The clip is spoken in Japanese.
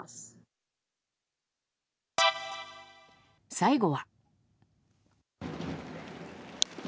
最後は。